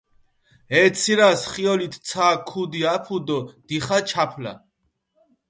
ე ცირასჷ ხიოლით ცა ქუდი აფუ დო დიხა ჩაფულა.